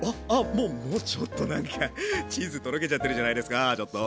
もうもうちょっとなんかチーズとろけちゃってるじゃないですかちょっと。